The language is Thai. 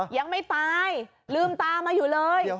ยังไม่ตายลืมตามาอยู่เลย